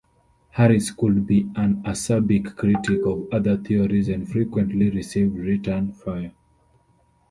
Harris could be an acerbic critic of other theories and frequently received return fire.